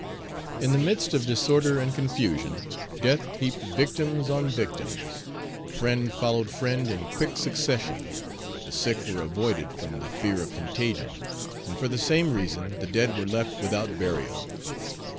In the midst of disorder and confusion, death heaped victims on victims. Friend followed friend in quick succession; the sick were avoided from the fear of contagion, and for the same reason the dead were left without burial.